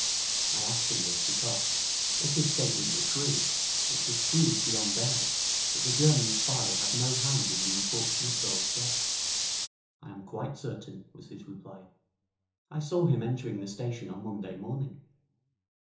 I asked him this because, if his statement were true, it was proved beyond doubt that the German spy had no hand in the unfortunate girl's death. 'I am quite certain,' was his reply. 'I saw him entering the station on Monday morning.'